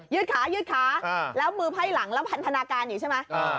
ืดขายืดขาแล้วมือไพ่หลังแล้วพันธนาการอยู่ใช่ไหม